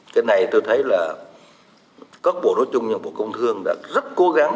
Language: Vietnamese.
cái này tôi thấy là các bộ đối chung những bộ công thương đã rất cố gắng